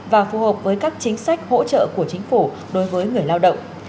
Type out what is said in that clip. và phù hợp với các chính sách hỗ trợ của chính phủ đối với người lao động